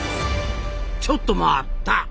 ちょっと待った！